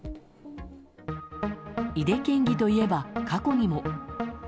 井手県議といえば過去にも。